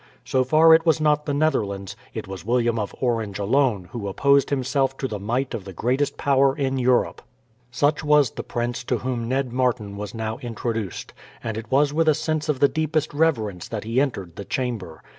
So far it was not the Netherlands, it was William of Orange alone who opposed himself to the might of the greatest power in Europe. Such was the prince to whom Ned Martin was now introduced, and it was with a sense of the deepest reverence that he entered the chamber.